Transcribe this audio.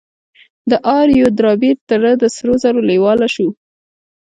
د آر يو ډاربي تره د سرو زرو لېواله شو.